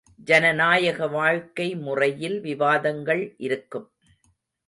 ஜனநாயக வாழ்க்கை முறையில் விவாதங்கள் இருக்கும்.